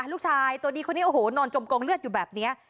ลูกชายตัวดีคนนี้โอ้โหนอนจมกองเลือดอยู่แบบนี้